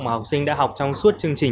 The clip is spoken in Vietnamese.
mà học sinh đã học trong suốt chương trình